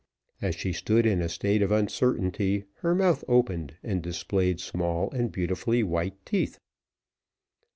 As she stood in a state of uncertainty, her mouth opened, and displayed small and beautifully white teeth.